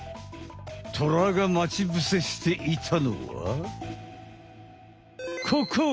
トラが待ち伏せしていたのはここ！